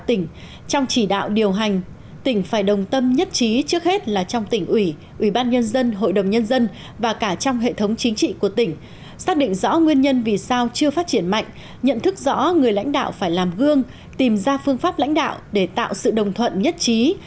trong chỉ đạo điều hành tỉnh phải đồng tâm nhất trí trước hết là trong tỉnh ủy ủy ban nhân dân hội đồng nhân dân và cả trong hệ thống chính trị của tỉnh xác định rõ nguyên nhân vì sao chưa phát triển mạnh nhận thức rõ người lãnh đạo phải làm gương tìm ra phương pháp lãnh đạo để tạo sự đồng thuận nhất trí